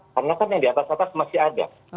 karena kan yang di atas atas masih ada